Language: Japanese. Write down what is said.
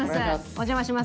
お邪魔します。